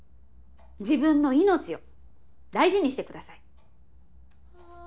自分の命を大事にしてください。